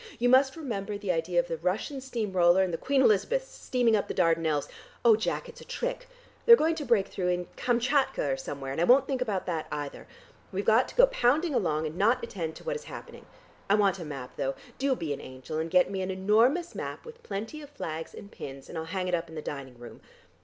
"You must remember the idea of the Russian steam roller, and the Queen Elizabeth steaming up the Dardanelles. Oh, Jack! It's a trick! They're going to break through in Kamkatka or somewhere and I won't think about that either. We've got to go pounding along, and not attend to what is happening. I want a map, though. Do be an angel, and get me an enormous map with plenty of flags and pins and I'll hang it up in the dining room.